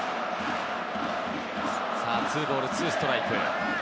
さあ、２ボール２ストライク。